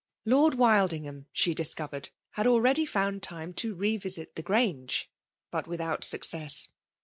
Lord Wildingham, she diseovered, had already found time to re visit Ae Orange, but without success.